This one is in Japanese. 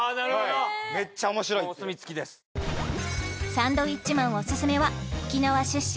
サンドウィッチマンおすすめは沖縄出身